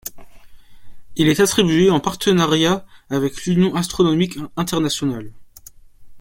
Il est attribué en partenariat avec l’union astronomique internationale.